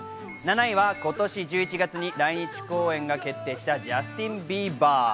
７位は今年１１月に来日公演が決定したジャスティン・ビーバー。